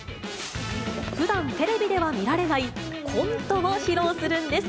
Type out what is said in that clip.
ふだんテレビでは見られない、コントを披露するんです。